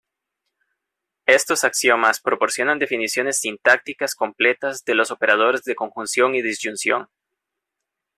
Estos axiomas proporcionan definiciones sintácticas completas de los operadores de conjunción y disyunción.